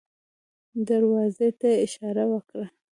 دروازې ته يې اشاره وکړه.